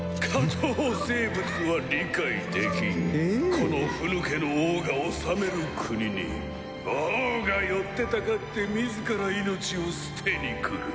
この腑抜けの王が治める国に王が寄ってたかって自ら命を捨てに来る。